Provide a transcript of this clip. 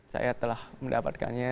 saya telah mendapatkannya